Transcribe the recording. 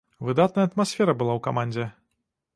Выдатная атмасфера была ў камандзе.